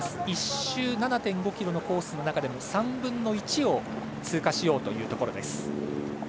１周７．５ｋｍのコースの中でも３分の１を通過しようというところです。